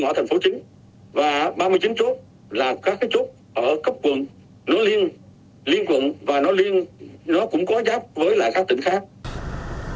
nó liên quận và nó cũng có giáp với lại các tỉnh khác